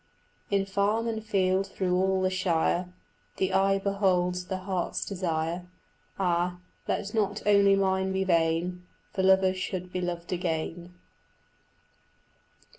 In farm and field through all the shire The eye beholds the heart's desire; Ah, let not only mine be vain, For lovers should be loved again.